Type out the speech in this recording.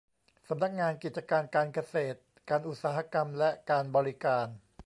สำนักงานกิจการการเกษตรการอุตสาหกรรมและการบริการ